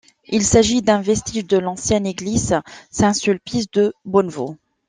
Il s'agit d'un vestige de l'ancienne église Saint-Sulpice de Bonnevaux.